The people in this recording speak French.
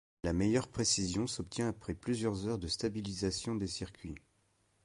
La meilleure précision s'obtient après plusieurs heures de stabilisation des circuits.